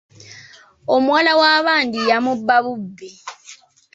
Omuwala wa bandi yamubba bubbi.